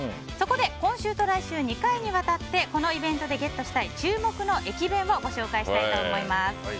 そこで今週と来週２回にわたってこのイベントでゲットしたい注目の駅弁をご紹介したいと思います。